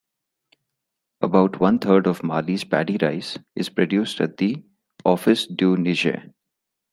About one-third of Mali's paddy rice is produced at the Office du Niger.